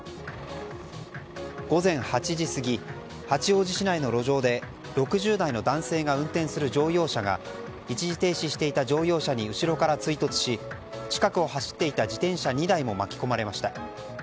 午前８時過ぎ八王子市内の路上で６０代の男性が運転する乗用車が一時停止する乗用車に後ろから追突し近くを走っていた自転車２台も巻き込まれました。